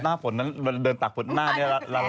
หน้าผ่นเดินตากผ่นหน้านี้ละละ